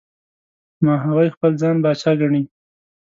ماهوی خپل ځان پاچا ګڼي.